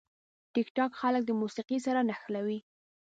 ټیکټاک خلک د موسیقي سره نښلوي.